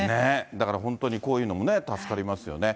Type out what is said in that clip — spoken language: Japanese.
だから本当にこういうのもね、助かりますよね。